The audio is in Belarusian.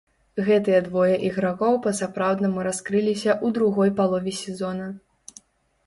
Гэтыя двое ігракоў па-сапраўднаму раскрыліся ў другой палове сезона.